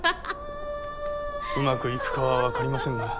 うまくいくかはわかりませんが。